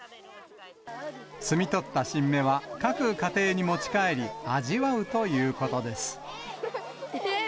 摘み取った新芽は各家庭に持ち帰り、味わうということです。